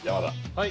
はい。